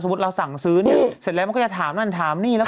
เราสั่งซื้อเนี่ยเสร็จแล้วมันก็จะถามนั่นถามนี่แล้ว